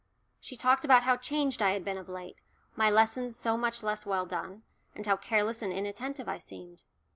She talked about how changed I had been of late, my lessons so much less well done, and how careless and inattentive I seemed.